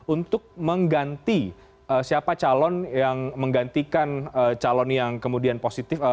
untuk mengganti siapa calon yang menggantikan calon yang kemudian positif